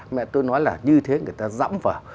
mẹ tôi nói là như thế người ta dẫm vào